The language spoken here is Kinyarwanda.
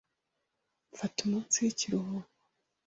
Mfata umunsi w'ikiruhuko.